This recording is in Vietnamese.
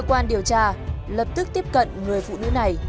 cơ quan điều tra lập tức tiếp cận người phụ nữ này